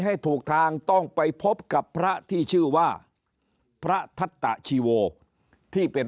ให้ถูกทางต้องไปพบกับพระที่ชื่อว่าพระทัตตะชีโวที่เป็น